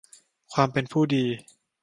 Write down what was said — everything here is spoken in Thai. ความเป็นผู้ดี